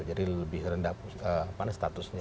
jadi lebih rendah statusnya